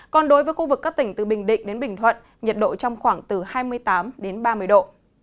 còn đối với khu vực các tỉnh từ bình định đến bình thuận nhiệt độ trong khoảng từ hai mươi tám đến ba mươi độ